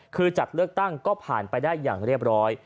คือจัดเลือกตั้งก็ผ่านไปได้อย่างเรียบร้อย